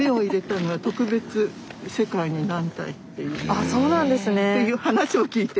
あそうなんですね。っていう話を聞いて。